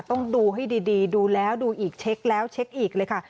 ต้องดูให้ดีดูแล้วดูอีกเช็คแล้วเช็คอีกเลยค่ะ